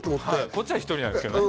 こっちは１人なんですけどね